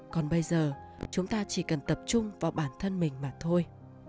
còn bây giờ chúng ta chỉ cần tập trung vào bản thân mình mà thôi